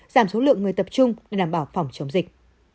giảm số lượng người tập trung để đảm bảo phòng chống dịch